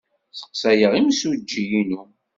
Sseqsayeɣ imsujji-inu.